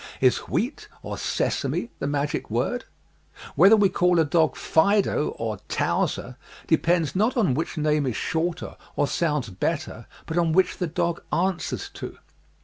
Is "wheat" or "sesame" the magic word? Whether we call a dog " Fido " or " Towser " depends not on which name is shorter or sounds better but on which the dog answers to.